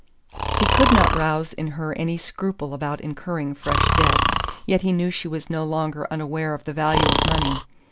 He could not rouse in her any scruple about incurring fresh debts, yet he knew she was no longer unaware of the value of money.